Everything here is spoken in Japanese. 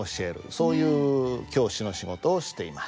そういう教師の仕事をしています。